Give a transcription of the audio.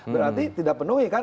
berarti tidak penuhi kan